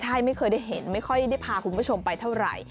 ใช่ไม่เคยได้เห็นไม่ค่อยได้พาคุณผู้ชมไปเท่าไหร่